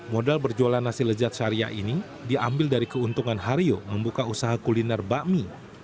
modal berjualan nasi lezat syariah ini diambil dari keuntungan hario membuka usaha kuliner bakmi